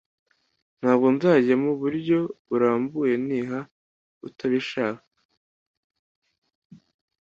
Ntabwo nzajya muburyo burambuye niba utabishaka.